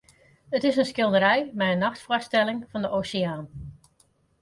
It is in skilderij mei in nachtfoarstelling fan de oseaan.